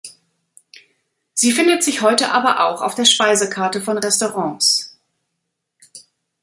Sie findet sich heute aber auch auf der Speisekarte von Restaurants.